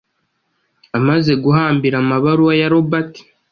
Amaze guhambira amabaruwa ya Robert